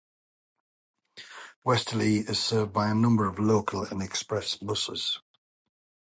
Westerleigh is served by a number of local and express buses.